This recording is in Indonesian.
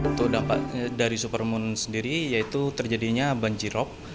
untuk dampak dari supermoon sendiri yaitu terjadinya banjirop